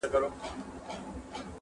حافظه يې ژوندۍ ساتي تل,